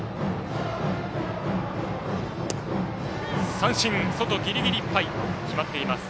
三振、外ギリギリいっぱい決まっています。